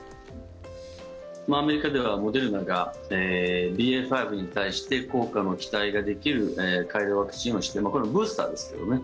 アメリカではモデルナがＢＡ．５に対して効果の期待ができる改良ワクチンをこれはブースターですけどね。